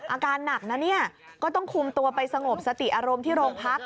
อาการหนักนะเนี่ยก็ต้องคุมตัวไปสงบสติอารมณ์ที่โรงพัก